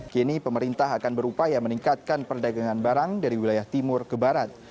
kini pemerintah akan berupaya meningkatkan perdagangan barang dari wilayah timur ke barat